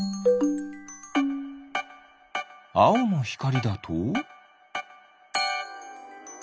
あおのひかりだと？